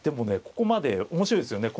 ここまで面白いですよね。